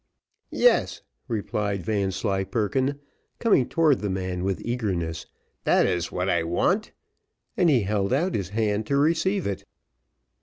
"Yes," replied Vanslyperken, coming towards the man with eagerness; "that is what I want," and he held out his hand to receive it.